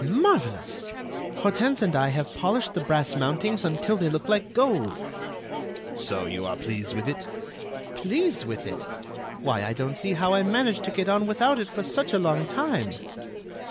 "Marvellous! Hortense and I have polished the brass mountings until they look like gold." "So you are pleased with it?" "Pleased with it! Why, I don't see how I managed to get on without it for such a long time."